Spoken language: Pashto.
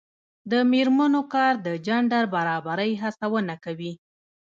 د میرمنو کار د جنډر برابرۍ هڅونه کوي.